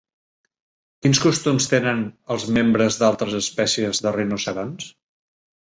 Quin costum tenen els membres d'altres espècies de rinoceronts?